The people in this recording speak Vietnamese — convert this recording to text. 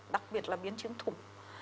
đặc biệt là biến chứng thủng